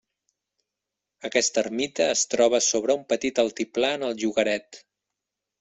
Aquesta ermita es troba sobre un petit altiplà en el llogaret.